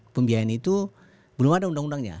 pembiayaan itu belum ada undang undangnya